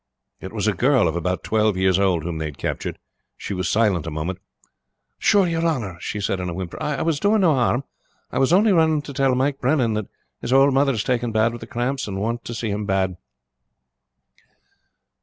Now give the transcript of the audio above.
It was a girl of about twelve years old whom they had captured. She was silent a moment. "Sure, your honor," she said in a whimper, "I was doing no harm. I was only running to tell Mike Brenan that his ould mother is taken bad with the cramps, and wanted to see him bad."